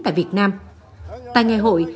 tại việt nam tại ngày hội